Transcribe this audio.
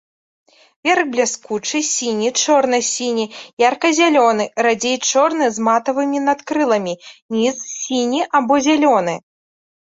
Верх бліскучы, сіні, чорна-сіні, ярка-зялёны, радзей чорны з матавымі надкрыламі, ніз сіні або зялёны.